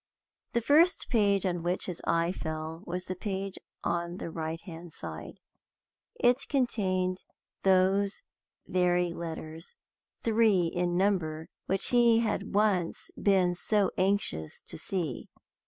The first page on which his eye fell was the page on the right hand side. It contained those very letters three in number which he had once been so anxious to see.